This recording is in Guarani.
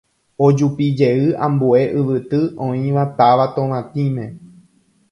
Ojupijey ambue yvyty oĩva táva Tovatĩme.